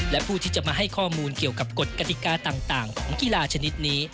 และผู้ที่จะมาให้ข้อมูลเกี่ยวกับกฎกติกาต่างของกีฬาชนิดนี้